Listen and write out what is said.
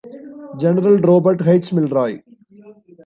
General Robert H. Milroy.